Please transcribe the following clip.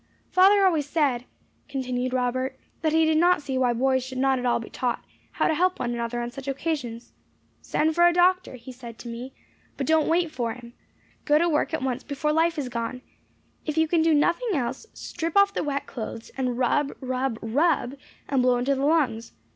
"Father always said," continued Robert, "that he did not see why boys should not all be taught how to help one another on such occasions. 'Send for a doctor,' he said to me, 'but don't wait for him. Go to work at once before life is gone. If you can do nothing else strip off the wet clothes, and rub, rub, RUB, and blow into the lungs.